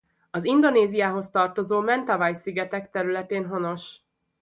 Az Indonéziához tartozó Mentawai-szigetek területén honos.